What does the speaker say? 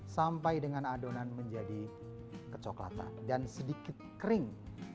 sampai dengan adonan menjadi kecoklatan dan sedikit kering